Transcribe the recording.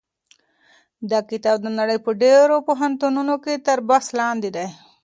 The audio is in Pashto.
دا کتاب د نړۍ په ډېرو پوهنتونونو کې تر بحث لاندې دی.